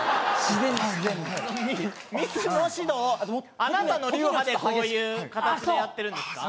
自然に自然にミスの指導あなたの流派でこういう形でやってるんですか？